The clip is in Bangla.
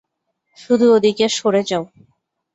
শুধু ওদিকে সরে যাও।